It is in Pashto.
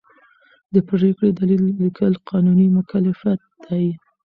د پرېکړې دلیل لیکل قانوني مکلفیت دی.